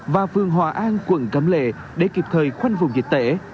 và phường hòa an quận cấm lệ để kịp thời khoanh vùng dịch tễ